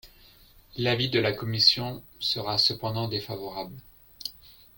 L’avis de la commission sera cependant défavorable.